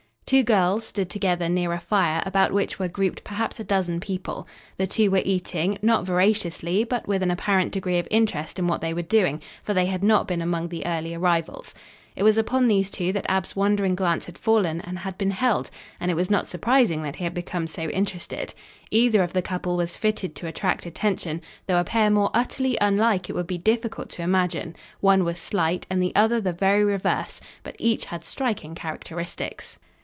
Two girls stood together near a fire about which were grouped perhaps a dozen people. The two were eating, not voraciously, but with an apparent degree of interest in what they were doing, for they had not been among the early arrivals. It was upon these two that Ab's wandering glance had fallen and had been held, and it was not surprising that he had become so interested. Either of the couple was fitted to attract attention, though a pair more utterly unlike it would be difficult to imagine. One was slight and the other the very reverse, but each had striking characteristics.